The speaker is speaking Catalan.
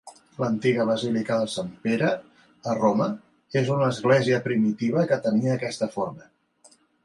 L'antiga basílica de Sant Pere a Roma és una església primitiva que tenia aquesta forma.